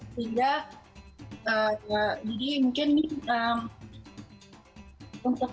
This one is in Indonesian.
sehingga jadi mungkin ini untuk